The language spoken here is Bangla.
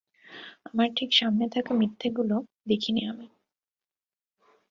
আমার ঠিক সামনে থাকা মিথ্যাগুলো দেখিনি আমি।